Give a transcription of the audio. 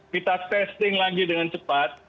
kita testing lagi dengan cepat